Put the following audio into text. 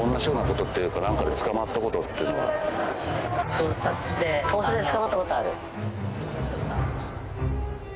盗撮で捕まったことある？